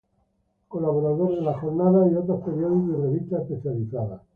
Colaborador de La Jornada y otros periódicos y revistas especializadas.